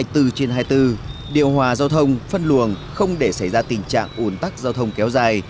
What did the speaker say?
hai mươi bốn trên hai mươi bốn điều hòa giao thông phân luồng không để xảy ra tình trạng ủn tắc giao thông kéo dài